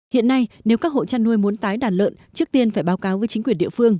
hiện nay nếu các hộ chăn nuôi muốn tái đàn lợn trước tiên phải báo cáo với chính quyền địa phương